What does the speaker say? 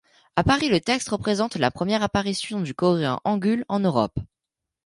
À Paris, le texte représente la première apparition du coréen han'gŭl en Europe.